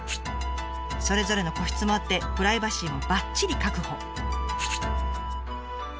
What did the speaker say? それぞれの個室もあってプライバシーもばっちり確保。